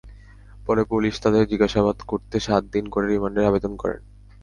পরে পুলিশ তাঁদের জিজ্ঞাসাবাদ করতে সাত দিন করে রিমান্ডের আবেদন করেন।